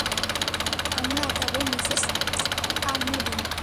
আমরা বাহিরে যাবো, মিসেস কার্মোডি!